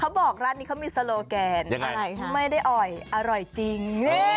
บอกร้านนี้เขามีโซโลแกนไม่ได้อร่อยอร่อยจริง